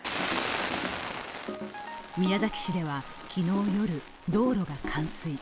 宮崎市では、昨日夜、道路が冠水。